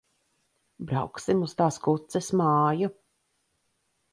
Brauksim uz tās kuces māju.